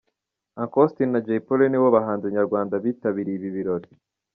Uncle Austin na Jay Polly ni bo bahanzi nyarwanda bitabiriye ibi birori.